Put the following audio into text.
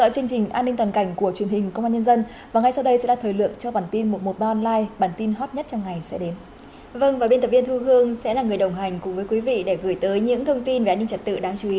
các bạn hãy đăng ký kênh để ủng hộ kênh của chúng mình nhé